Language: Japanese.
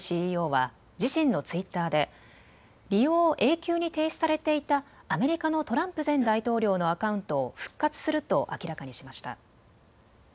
ＣＥＯは自身のツイッターで利用を永久に停止されていたアメリカのトランプ前大統領のアカウントを復活すると明らかにしました。